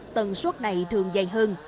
tầng suốt này thường dày hơn